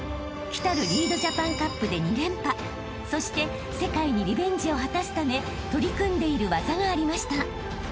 ［来るリードジャパンカップで２連覇そして世界にリベンジを果たすため取り組んでいる技がありました］